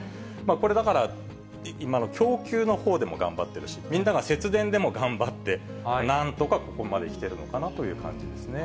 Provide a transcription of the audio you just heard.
これ、だから供給のほうでも頑張ってるし、みんなが節電でも頑張って、なんとかここまで来てるのかなという感じですね。